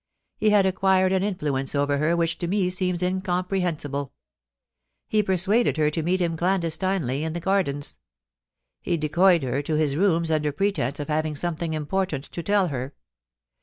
He had acquired an influence over her which to me seems incomprehensible; he persuaded her to meet him clandes tinely in the Gardens ; he decoyed her to his rooms under pretence of having something important to tell her.